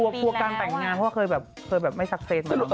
กลัวกลางแต่งงานเคยแบบไม่สักเศษ